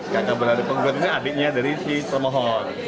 kakak beradi pengugat ini adiknya dari si termohon